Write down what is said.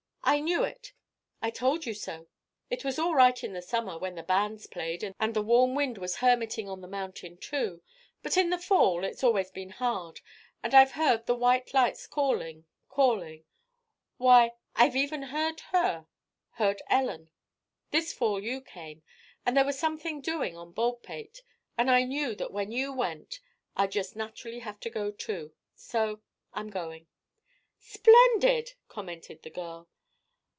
"I knew it. I told you so. It was all right in the summer, when the bands played, and the warm wind was hermiting on the mountain, too. But in the fall, it's always been hard, and I've heard the white lights calling, calling why, I've even heard her heard Ellen. This fall you came, and there was something doing on Baldpate and I knew that when you went, I'd just naturally have to go, too. So I'm going." "Splendid," commented the girl.